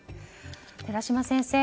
寺嶋先生